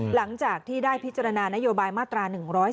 หลังจากที่ได้พิจารณานโยบายมาตรา๑๔